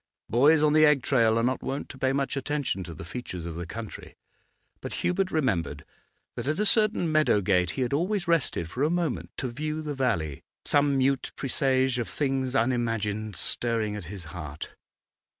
Boys on the egg trail are not wont to pay much attention to the features of the country; but Hubert remembered that at a certain meadow gate he had always rested for a moment to view the valley, some mute presage of things unimagined stirring at his heart.